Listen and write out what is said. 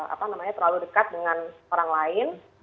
apa namanya terlalu dekat dengan orang lain